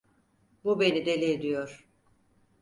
Bu beni deli ediyor.